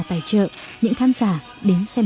tài trợ những khán giả đến xem